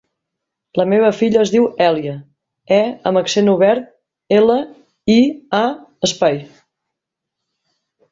La meva filla es diu Èlia : e amb accent obert, ela, i, a, espai.